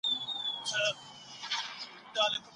خاطرې مو په زړه کي پاته کېږي.